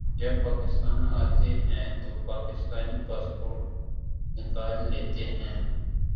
جب پاکستان آتے ہیں تو پاکستانی پاسپورٹ نکال لیتے ہیں